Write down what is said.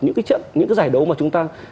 những cái trận những cái giải đấu mà chúng ta